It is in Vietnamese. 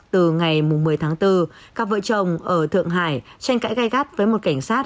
từ ngày một mươi tháng bốn các vợ chồng ở thượng hải tranh cãi gai gắt với một cảnh sát